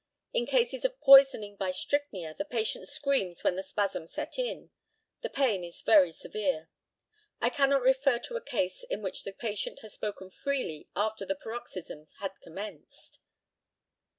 In cases of poisoning by strychnia the patient screams when the spasms set in; the pain is very severe. I cannot refer to a case in which the patient has spoken freely after the paroxysms had commenced.